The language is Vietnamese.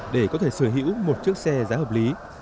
để có thể sở hữu một chiếc xe giá hợp lý